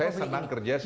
saya senang kerja sih